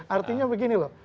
artinya begini loh